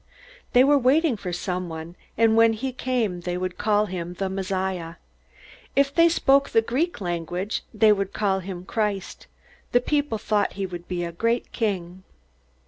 They were waiting for someone, and when he came they would call him "the Messiah." If they spoke the Greek language, they would call him "Christ." The people thought he would be a great king.